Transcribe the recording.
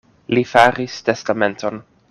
Li faris testamenton.